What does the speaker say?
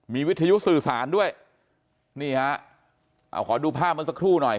มีวิทยุสื่อสารด้วยนี่ฮะเอาขอดูภาพเมื่อสักครู่หน่อย